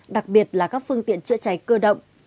đặc biệt là các phương tiện chữa cháy cơ động